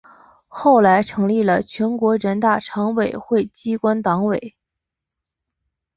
后来成立了全国人大常委会机关党委。